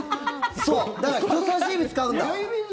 だから人さし指使うんだ。